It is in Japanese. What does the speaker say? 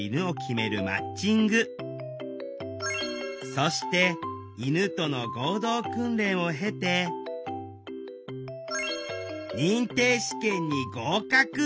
そして犬との合同訓練を経て認定試験に合格！